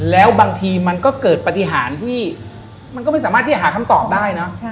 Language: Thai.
แล้วบางทีมันก็เกิดปฏิหารที่มันก็ไม่สามารถที่จะหาคำตอบได้นะ